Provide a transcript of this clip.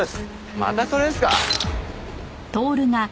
またそれですか？